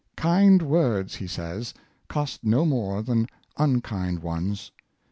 " Kind words," he says, '''• cost no more than unkind ones.